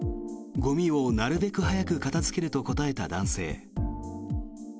ゴミをなるべく早く片付けると答えた男性。